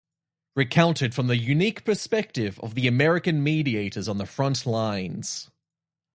Recounted from the unique perspective of the American mediators on the frontlines.